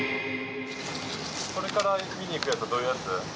これから見に行くやつはどういうやつ？